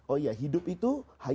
oh iya hidup itu